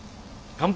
乾杯！